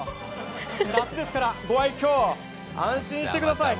夏ですからご愛きょう安心してください。